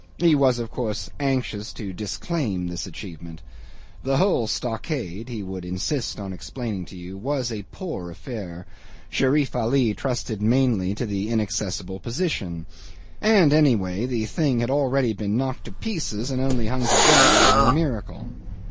He was, of course, anxious to disclaim this achievement. The whole stockade he would insist on explaining to you was a poor affair (Sherif Ali trusted mainly to the inaccessible position); and, anyway, the thing had been already knocked to pieces and only hung together by a miracle.